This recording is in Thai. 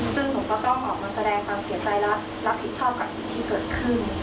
ซึ่งผมก็ต้องออกมาสะแดงตามเสียใจและผิดชอบกับที่ที่เกิดขึ้น